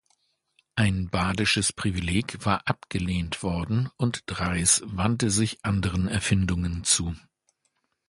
Ein Badisches Privileg war abgelehnt worden, und Drais wandte sich anderen Erfindungen zu.